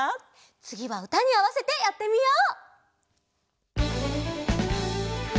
つぎはうたにあわせてやってみよう！